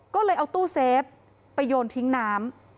ก็เลยเอาตู้เซฟไปโยนทิ้งน้ำ